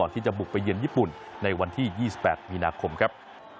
ที่จะบุกไปเยือนญี่ปุ่นในวันที่๒๘มีนาคมครับ